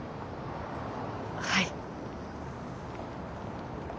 はい。